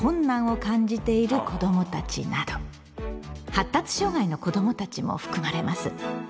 発達障害の子どもたちも含まれます。